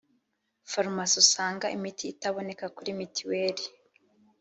farumasi usanga imiti itaboneka kuri mitiweli